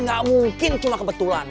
gak mungkin cuma kebetulan